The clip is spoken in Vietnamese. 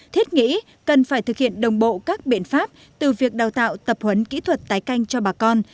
thiết nghĩ cần phải thực hiện đồng bộ các biện pháp từ việc đào tạo tập huấn kỹ thuật tái canh cho bà con